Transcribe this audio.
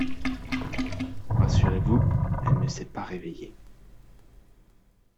Rassurez-vous … elle ne s'est pas réveillée …